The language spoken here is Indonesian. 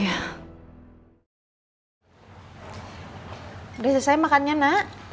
ya udah selesai makannya nak